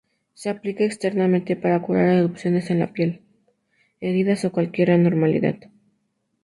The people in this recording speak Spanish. Se aplica externamente para curar erupciones en la piel, heridas o cualquier anormalidad.